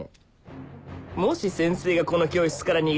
もし先生がこの教室から逃げ去ったら？